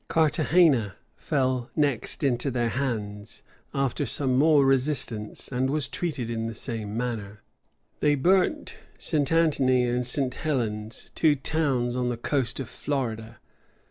Carthagena fell next into their hands, after some more resistance, and was treated in the same manner. They burnt St. Anthony and St. Helens, two towns on the coast of Florida.